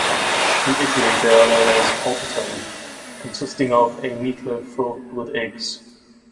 In Italy they are known as "polpettone", consisting of a meatloaf filled with eggs.